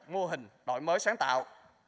mô hình đổi mới sáng tạo